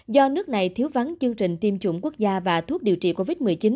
do nước này thiếu vắng chương trình tiêm chủng quốc gia và thuốc điều trị covid một mươi chín